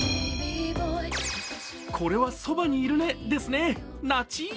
これは「そばにいるね」ですね、なちぃ。